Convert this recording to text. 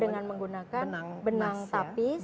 dengan menggunakan benang tapis